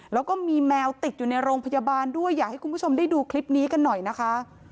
แล้วก็มีแมวติดอยู่ในโรงพยาบาลด้วยอยากให้คุณผู้ชมได้ดูคลิปนี้กันหน่อยนะคะ